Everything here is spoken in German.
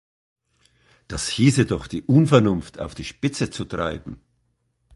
Das hieße doch, die Unvernunft auf die Spitze zu treiben.